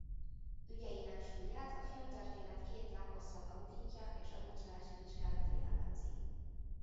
Ügyeinek súlyát a filmtörténet két leghosszabb auditja és adócsalási vizsgálata jellemzi.